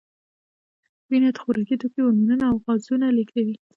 وینه خوراکي توکي، هورمونونه او غازونه لېږدوي.